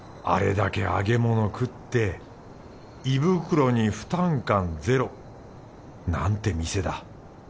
あれだけ揚げ物食って胃袋に負担感ゼロ。なんて店だ。